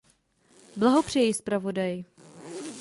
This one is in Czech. Blahopřeji zpravodaji.